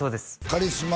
カリスマ